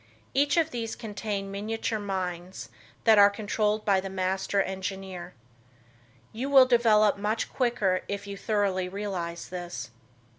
Each of these contain miniature minds that are controlled by the master engineer. You will develop much quicker if you thoroughly realize this.